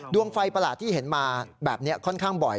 ดวงไฟประหลาดที่เห็นมาแบบนี้ค่อนข้างบ่อย